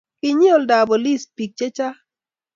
Kinyei oldab polis biik che chang'